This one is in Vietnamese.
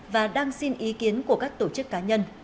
và đang xin ý kiến của các tổ chức cá nhân